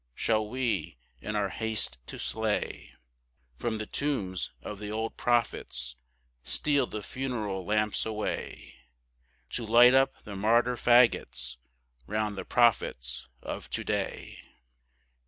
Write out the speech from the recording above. Shall we, in our haste to slay, From the tombs of the old prophets steal the funeral lamps away To light up the martyr fagots round the prophets of to day?